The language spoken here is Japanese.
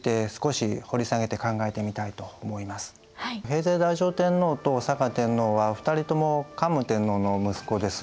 平城太上天皇と嵯峨天皇は２人とも桓武天皇の息子です。